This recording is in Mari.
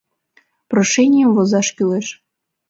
Прошенийым возаш кӱлеш.